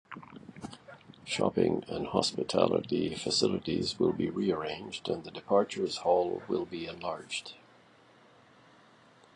Shopping and hospitality facilities will be rearranged and the departures hall will be enlarged.